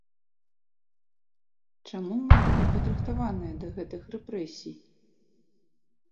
Чаму мы былі падрыхтаваныя да гэтых рэпрэсій?